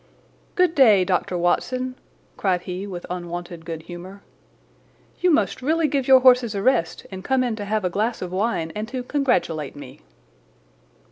"Good day, Dr. Watson," cried he with unwonted good humour, "you must really give your horses a rest and come in to have a glass of wine and to congratulate me."